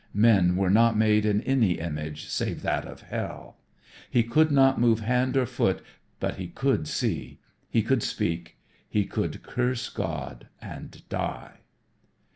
Men were not made in any image save that of hell. He could not move hand or foot, but he could see. He could speak. He could curse God and die.